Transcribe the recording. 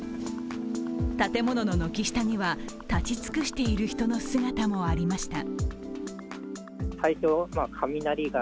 建物の軒下には、立ち尽くしている人の姿もありました。